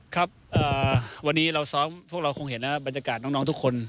ครับวันนี้เราซ้อมพวกเราคงเห็นบรรยากาศน้องทุกคน